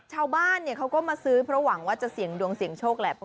ชาวบ้านเขาก็มาซื้อเพราะหวังว่าจะเสี่ยงดวงเสี่ยงโชคแหละ